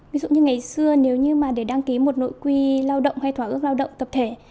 ví dụ như ngày xưa nếu như mà để đăng ký một nội quy lao động hay thỏa ước lao động tập thể